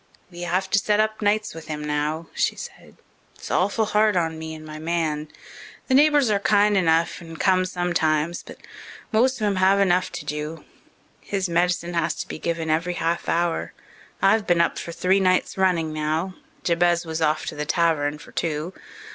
"We have to set up nights with him now," she said. "It's awful hard on me and my man. The neighbours are kind enough and come sometimes, but most of them have enough to do. His medicine has to be given every half hour. I've been up for three nights running now. Jabez was off to the tavern for two.